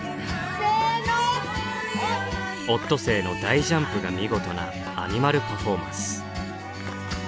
オットセイの大ジャンプが見事なアニマルパフォーマンス。